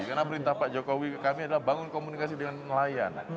karena perintah pak jokowi kami adalah bangun komunikasi dengan nelayan